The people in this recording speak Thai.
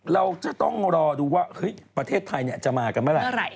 เราจะต้องรอดูว่าประเทศไทยจะมากันเมื่อไหร่